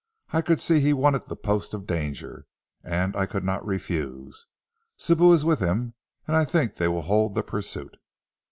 "I could see he wanted the post of danger and I could not refuse. Sibou is with him, and I think they will hold the pursuit."